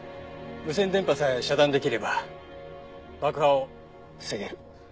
無線電波さえ遮断できれば爆破を防げる。